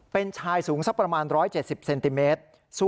เป็นชายสูงสักประมาณ๑๗๐เซนติเมตร